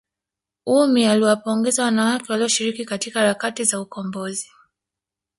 ummy aliwapongeza wanawake waliyoshiriki katika harakati za ukombozi